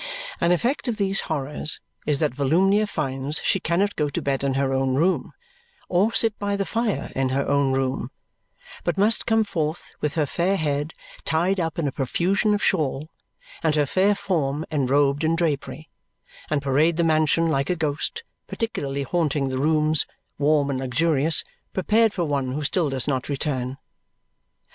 An effect of these horrors is that Volumnia finds she cannot go to bed in her own room or sit by the fire in her own room, but must come forth with her fair head tied up in a profusion of shawl, and her fair form enrobed in drapery, and parade the mansion like a ghost, particularly haunting the rooms, warm and luxurious, prepared for one who still does not return.